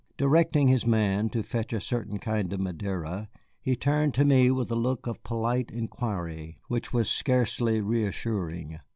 Directing his man to fetch a certain kind of Madeira, he turned to me with a look of polite inquiry which was scarcely reassuring.